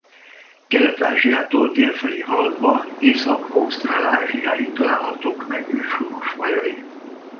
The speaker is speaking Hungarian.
Kelet-Ázsiától dél felé haladva Észak-Ausztrálázsiáig találhatók meg őshonos fajai.